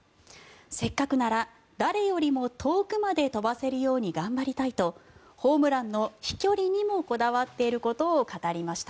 せっかくなら誰よりも遠くまで飛ばせるように頑張りたいとホームランの飛距離にもこだわっていることを語りました。